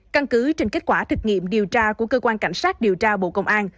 căn cứ trên kết quả thực nghiệm điều tra của cơ quan cảnh sát điều tra bộ công an